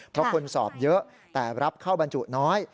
เพราะคนสอบเยอะแต่รับเข้าบรรจุน้อย